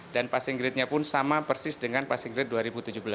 dan passing grade nya pun sama persis dengan passing grade